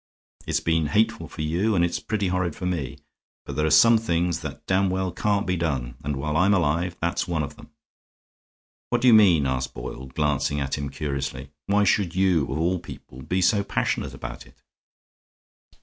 It's been hateful for you and it's pretty horrid for me. But there are some things that damned well can't be done, and while I'm alive that's one of them." "What do you mean?" asked Boyle, glancing at him curiously. "Why should you, of all people, be so passionate about it?"